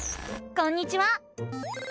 こんにちは！